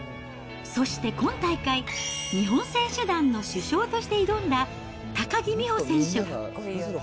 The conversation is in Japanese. そして今大会、日本選手団の主将として挑んだ高木美帆選手。